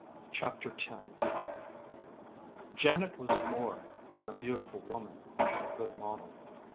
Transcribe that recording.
CHAPTER TEN Janet was more than a beautiful woman and a good model.